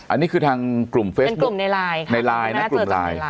อันนี้คือทางกลุ่มเฟสบุคเป็นกลุ่มในลายในลายนะ